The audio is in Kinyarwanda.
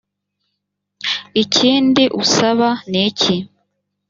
ikindi usaba ni iki?